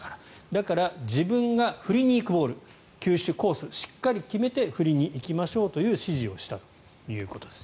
だから自分が振りにいくボール球種、コースをしっかり決めて振りに行きましょうという指示をしたということです。